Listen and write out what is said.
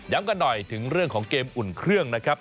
กันหน่อยถึงเรื่องของเกมอุ่นเครื่องนะครับ